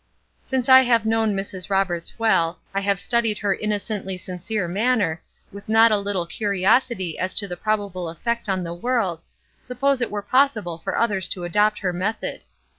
Since I have known Mrs. Roberts well, I have studied her innocently sincere manner, with not a little curiosity as to the probable effect on the world, suppose it were possible for others to adopt her method.